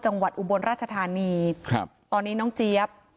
จังหวัดอุบรรณราชธานีครับตอนนี้น้องเจี๊ยบ